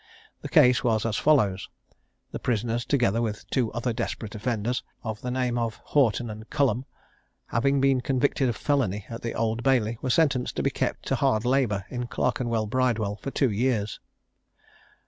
The case was as follows: The prisoners, together with two other desperate offenders, of the name of Houghton and Cullum, having been convicted of felony at the Old Bailey, were sentenced to be kept to hard labour in Clerkenwell Bridewell for two years.